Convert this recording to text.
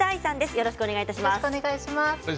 よろしくお願いします。